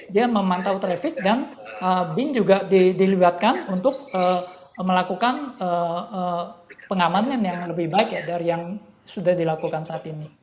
dia memantau trafik dan bin juga dilibatkan untuk melakukan pengamanan yang lebih baik dari yang sudah dilakukan saat ini